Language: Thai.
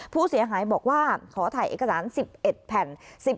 ผู้เสียหายบอกว่าขอถ่ายเอกสาร๑๑แผ่น